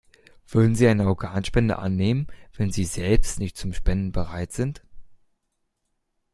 Würden Sie eine Organspende annehmen, wenn Sie selbst nicht zum Spenden bereit sind?